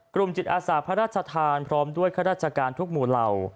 จิตอาสาพระราชทานพร้อมด้วยข้าราชการทุกหมู่เหล่า